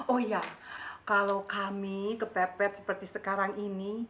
oh ya kalau kami kepepet seperti sekarang ini